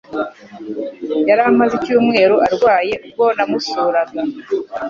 Yari amaze icyumweru arwaye ubwo namusuraga.